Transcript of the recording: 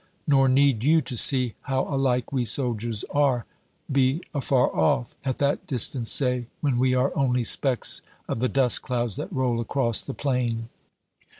Nor need you, to see how alike we soldiers are, be afar off at that distance, say, when we are only specks of the dust clouds that roll across the plain.